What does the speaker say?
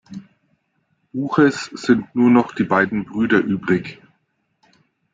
Buches sind nur noch die beiden Brüder übrig.